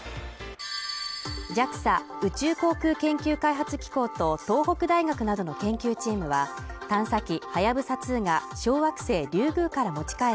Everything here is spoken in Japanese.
ＪＡＸＡ＝宇宙航空研究開発機構と東北大学などの研究チームは探査機